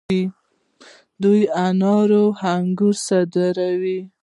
دوی انار او انګور صادروي.